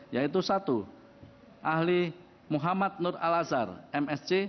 yaitu satu ahli muhammad nur al azhar msc